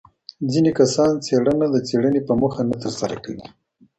ځیني کسان څېړنه د څېړني په موخه نه ترسره کوي.